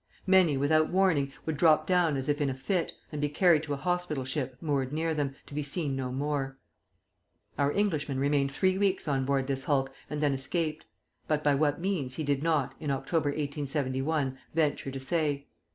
Many, without warning, would drop down as if in a fit, and be carried to a hospital ship moored near them, to be seen no more. Our Englishman remained three weeks on board this hulk, and then escaped; but by what means he did not, in October, 1871, venture to say.